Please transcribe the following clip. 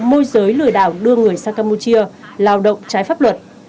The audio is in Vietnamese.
môi giới lừa đảo đưa người sang campuchia lao động trái pháp luật